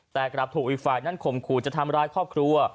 แต่กลับถูกอีกฝ่ายนั้นข่มขู่จะทำร้ายครอบครัว